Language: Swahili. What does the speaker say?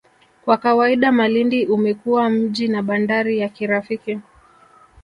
Kwa kawaida Malindi umekuwa mji na bandari ya kirafiki